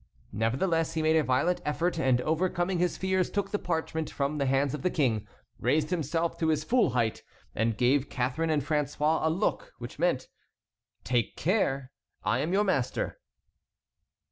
Nevertheless he made a violent effort and overcoming his fears took the parchment from the hands of the king, raised himself to his full height, and gave Catharine and François a look which meant: "Take care! I am your master."